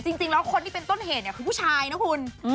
จริงแล้วคนที่เป็นต้นเหตุเนี่ยคือผู้ชายนะคุณ